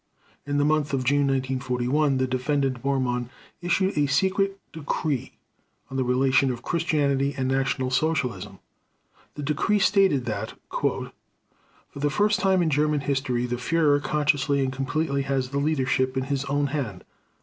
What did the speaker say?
In the month of June 1941 the Defendant Bormann issued a secret decree on the relation of Christianity and National Socialism. The decree stated that: "For the first time in German history the Führer consciously and completely has the leadership in his own hand.